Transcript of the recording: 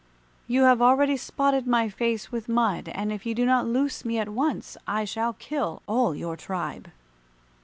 You have already spotted my face with mud, and if you do not loose me at once I shall kill all your tribe."